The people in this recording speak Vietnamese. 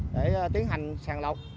để tiến hành sàng lọc